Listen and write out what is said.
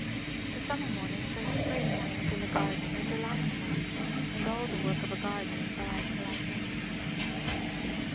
The summer mornings and spring mornings in the garden are delightful, and all the work of a garden is delightful, I think."